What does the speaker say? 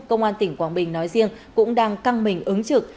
công an tỉnh quảng bình nói riêng cũng đang căng mình ứng trực